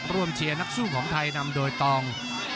เชียร์นักสู้ของไทยนำโดยตอง